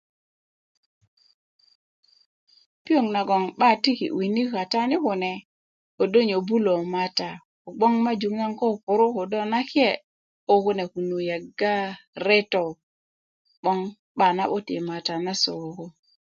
piyoŋ nagoŋ 'ba tiki' wini kaka ni kune ködö nyöbulö mata a majuk naŋ kökö puru' nake' ko kune yega retö 'boŋ 'ba na'but yi mata nase koko